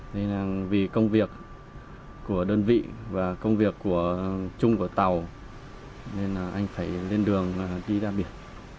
nên là vì công việc của đơn vị và công việc của chung của tàu nên là anh phải lên đường đi ra biển